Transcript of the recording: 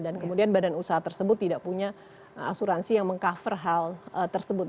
dan kemudian badan usaha tersebut tidak punya asuransi yang meng cover hal tersebut